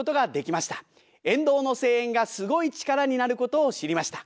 沿道の声援がすごい力になることを知りました。